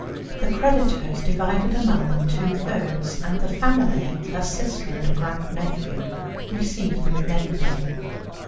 The creditors divided among them two thirds, and the family, a sister and a grand nephew, received the remainder.